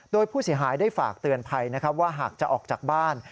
โดยผู้เสียหายได้ฝากเตือนภัยนะครับว่าหากจะออกจากบ้าน